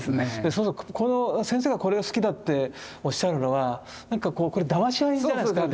そうすると先生がこれが好きだっておっしゃるのはなんかこれだまし合いじゃないですか。